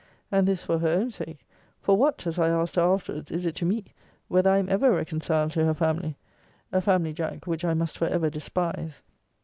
And this for her own sake; For what, as I asked her afterwards, is it to me, whether I am ever reconciled to her family? A family, Jack, which I must for ever despise.